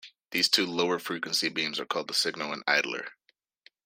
These two lower-frequency beams are called the "signal" and "idler".